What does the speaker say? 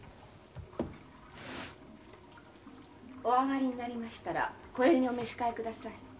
お上がりになりましたらこれにお召し替えください。